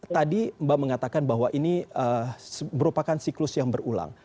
tadi mbak mengatakan bahwa ini merupakan siklus yang berulang